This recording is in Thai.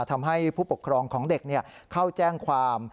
ทำให้ผู้ปกครองของเด็กเข้าแจ้งความ